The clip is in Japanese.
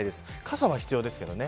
傘は必要ですけどね。